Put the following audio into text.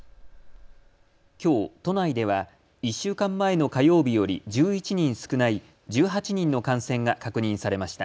きょう都内では１週間前の火曜日より１１人少ない１８人の感染が確認されました。